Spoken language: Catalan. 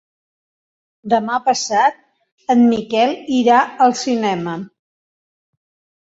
Demà passat en Miquel irà al cinema.